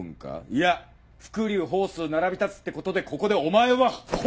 いや伏竜鳳雛並び立つってことでここでお前はほう統だ！